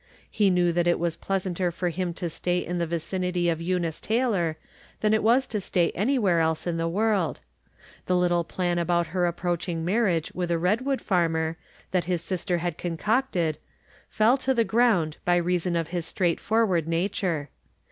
He knew that it was pleas anter for him to stay in the vicinity of Eunice Taylor than it was to stay anywhere else in the world. The little plan about her approaching marriage with a Redwood farmer, that his sister had concocted, fell to the ground by reason of his straightforward nature.